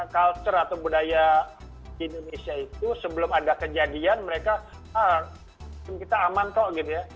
culture atau budaya di indonesia itu sebelum ada kejadian mereka aman kok gitu ya